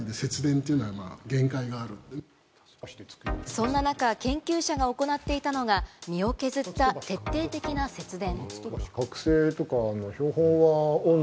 そんななか研究者が行っていたのが、身を削った徹底的な節電。